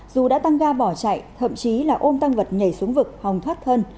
dù đã tăng ga bỏ chạy thậm chí là ôm tăng vật nhảy xuống vực hòng thoát thân